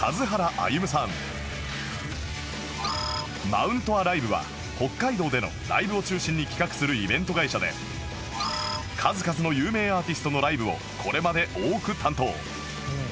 マウントアライブは北海道でのライブを中心に企画するイベント会社で数々の有名アーティストのライブをこれまで多く担当